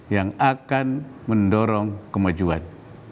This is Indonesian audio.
yang akan mendorong kemajuan